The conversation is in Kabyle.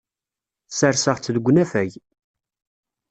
Sserseɣ-tt deg unafag.